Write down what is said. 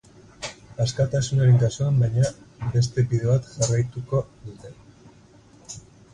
Askatasunaren kasuan, baina, beste bide bat jarraituko dute.